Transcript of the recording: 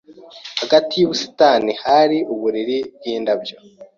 Hagati yubusitani hari uburiri bwindabyo.